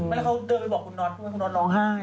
แล้วเขาเดินไปบอกคุณน็อตด้วยคุณน็อตร้องไห้